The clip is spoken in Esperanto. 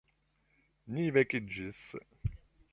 Ni vekiĝis.